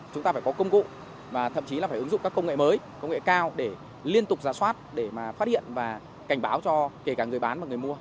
chúng ta phải có công cụ và thậm chí là phải ứng dụng các công nghệ mới công nghệ cao để liên tục giả soát để mà phát hiện và cảnh báo cho kể cả người bán và người mua